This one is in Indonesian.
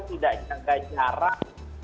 tidak jaga jarak